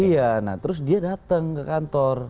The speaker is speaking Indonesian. iya nah terus dia datang ke kantor